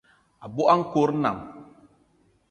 Abogo a nkòt nnam